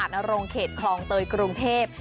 แฟด๔ถนนอาทนโรงเขตคลองเตยกรุงเทพฯ